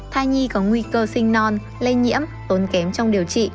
thai nhi có nguy cơ sinh non lây nhiễm tốn kém trong điều trị